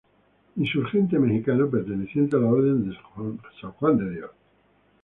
Insurgente mexicano perteneciente a la orden de San Juan de Dios.